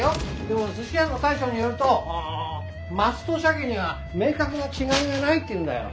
でも寿司屋の大将によるとマスとシャケには明確な違いがないって言うんだよ。